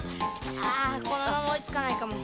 ああこのままおいつかないかも。